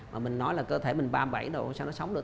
mà mình nói là cơ thể mình ba mươi bảy độ sau nó sống được